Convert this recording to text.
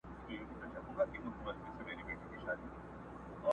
اوس مو خاندي غلیمان پر شړۍ ورو ورو،